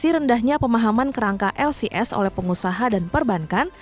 terendahnya pemahaman kerangka lcs oleh pengusaha dan perbankan